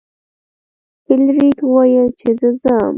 فلیریک وویل چې زه ځم.